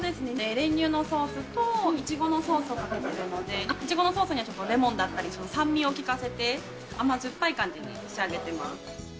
練乳のソースといちごのソースを入ってるので、いちごのソースにはレモンだったり、酸味を利かせて、甘酸っぱい感じに仕上げてます。